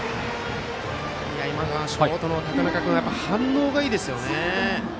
今のはショートの高中君反応がいいですね。